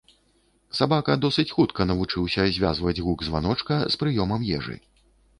Сабака досыць хутка навучыўся звязваць гук званочка з прыёмам ежы.